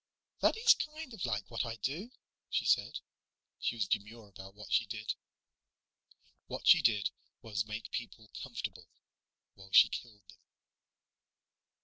"That is kind of like what I do," she said. She was demure about what she did. What she did was make people comfortable while she killed them.